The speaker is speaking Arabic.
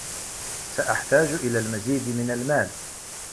سأحتاج إلى المزيد من المال.